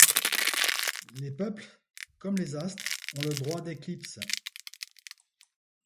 Les peuples comme les astres ont le droit d’éclipse.